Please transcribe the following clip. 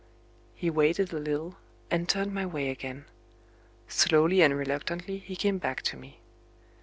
He waited a little, and turned my way again. Slowly and reluctantly, he came back to me.